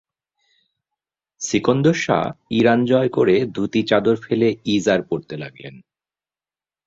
Sikandar Shah Iran জয় করে, ধুতি-চাদর ফেলে ইজার পরতে লাগলেন।